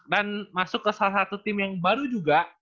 dan masuk ke salah satu tim yang baru juga